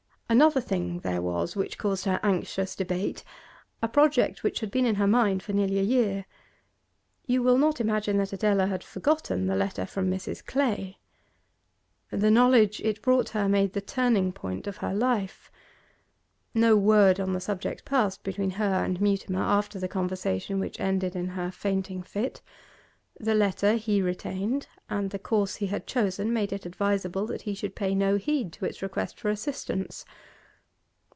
Another thing there was which caused her anxious debate a project which had been in her mind for nearly a year. You will not imagine that Adela had forgotten the letter from Mrs. Clay. The knowledge it brought her made the turning point of her life. No word on the subject passed between her and Mutimer after the conversation which ended in her fainting fit. The letter he retained, and the course he had chosen made it advisable that he should pay no heed to its request for assistance.